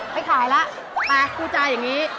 ไม่ขายล่ะไปคู่จ่ายอย่างนี้